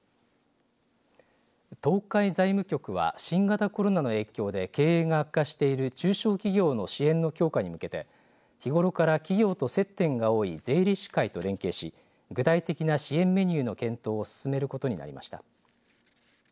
東海財務局は新型コロナの影響で経営が悪化している中小企業の支援の強化に向けて日頃から企業と接点が多い税理士会と連携し具体的な支援メニューの検討を進めることになりました。